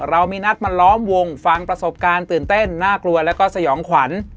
เรามีนัดมาล้อมวงฟังประสบการณ์ตื่นเต้นน่ากลัวแล้วก็สยองขวัญ